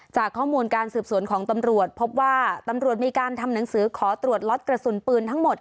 จากข้อมูลการสืบสวนของตำรวจพบว่าตำรวจมีการทำหนังสือขอตรวจล็อตกระสุนปืนทั้งหมด